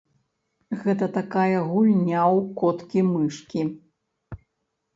Гэта такая гульня ў коткі-мышкі.